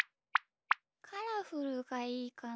カラフルがいいかな？